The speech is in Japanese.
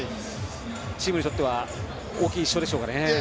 チームにとっては大きい１勝でしょうか？